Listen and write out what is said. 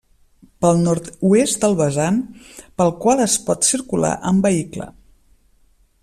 Pel nord-oest del vessant, pel qual es pot circular amb vehicle.